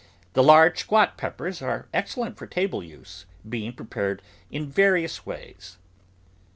The large squat peppers are excellent for table use, being prepared in vari ous ways.